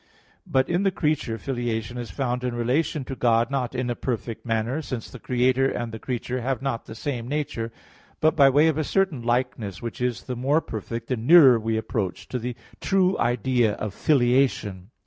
But in the creature, filiation is found in relation to God, not in a perfect manner, since the Creator and the creature have not the same nature; but by way of a certain likeness, which is the more perfect the nearer we approach to the true idea of filiation.